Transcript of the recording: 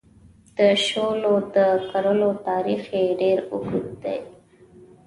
د شولو د کرلو تاریخ یې ډېر اوږد دی.